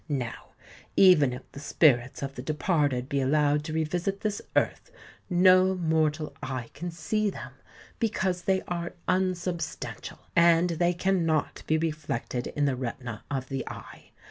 Now, even if the spirits of the departed be allowed to revisit this earth, no mortal eye can see them, because they are unsubstantial, and they cannot be reflected in the retina of the eye.